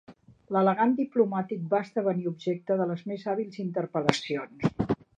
L'elegant diplomàtic va esdevenir objecte de les més hàbils interpel·lacions.